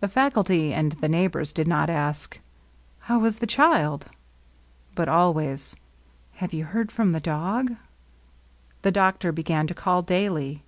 The faculty and the neighbors did not ask, ^^ How is the child ? but always, "Have you heard from the dog? The doctor began to call daily.